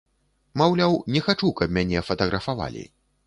Маўляў, не хачу, каб мяне фатаграфавалі.